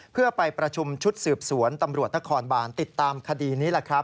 เพื่อไปประชุมชุดสืบสวนตำรวจนครบานติดตามคดีนี้แหละครับ